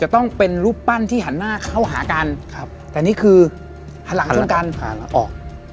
ต้องเป็นรูปปั้นที่หันหน้าเข้าหากันครับแต่นี่คือหันหลังชนกันหันหลังออก